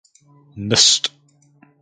Mst.